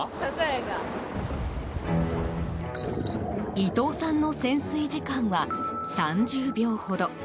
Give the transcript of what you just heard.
伊藤さんの潜水時間は３０秒ほど。